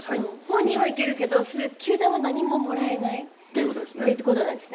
本人は行けるけど球団は何ももらえないということなんですね。